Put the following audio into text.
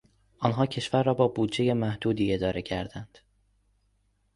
آنها کشور را با بودجهی محدودی اداره کردند.